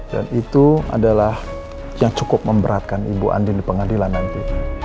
dan itu adalah yang cukup memberatkan ibu andin di pengadilan nanti